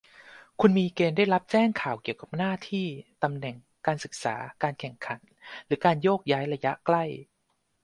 คุณมีเกณฑ์ได้รับแจ้งข่าวเกี่ยวกับหน้าที่ ตำแหน่ง การศึกษา การแข่งขัน หรือการโยกย้ายระยะใกล้